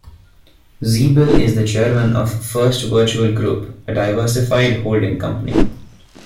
Siebel is the chairman of First Virtual Group, a diversified holding company.